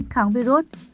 chín kháng virus